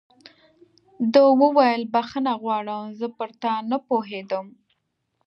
ده وویل: بخښنه غواړم، زه پر تا نه پوهېدم.